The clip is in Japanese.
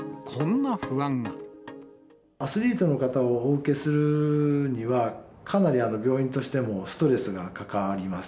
アスリートの方をお受けするには、かなり病院としてもストレスがかかります。